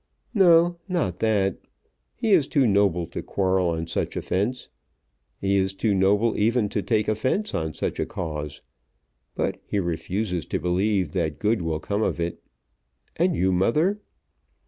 "No, not that. He is too noble to quarrel on such offence. He is too noble even to take offence on such a cause. But he refuses to believe that good will come of it. And you, mother?"